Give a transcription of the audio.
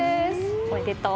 おめでとう。